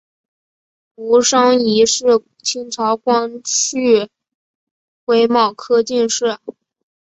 胡商彝是清朝光绪癸卯科进士。